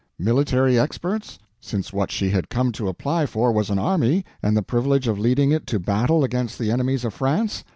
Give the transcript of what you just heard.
Military experts?—since what she had come to apply for was an army and the privilege of leading it to battle against the enemies of France.